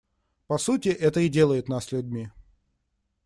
По сути, это и делает нас людьми.